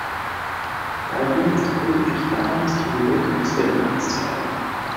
Dabei ginge es doch lediglich darum, sich an die Logik des Binnenmarkts zu halten.